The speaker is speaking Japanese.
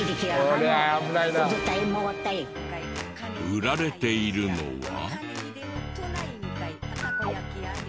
「」売られているのは。